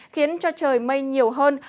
khiến cho trời mây nhiều hơn